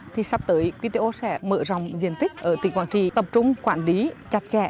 thì sắp tới vto sẽ mở ròng diện tích ở tỉnh quảng trị tập trung quản lý chặt chẽ